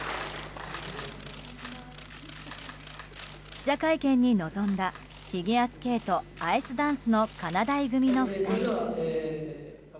記者会見に臨んだフィギュアスケートアイスダンスのかなだい組の２人。